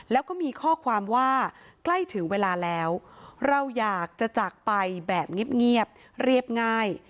แล้วก็มีข้อความว่าใกล้ถึงเวลาแล้วเราอยากจะจากไปแบบเงียบเรียบง่าย